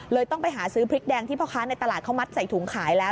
ต้องไปหาซื้อพริกแดงที่พ่อค้าในตลาดเขามัดใส่ถุงขายแล้ว